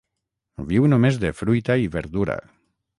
Viu només de fruita i verdura.